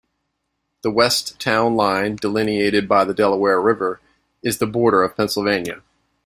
The west town line, delineated by the Delaware River, is the border of Pennsylvania.